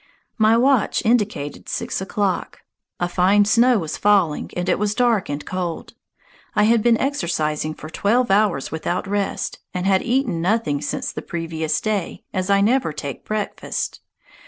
My watch indicated six o'clock. A fine snow was falling, and it was dark and cold. I had been exercising for twelve hours without rest, and had eaten nothing since the previous day, as I never take breakfast.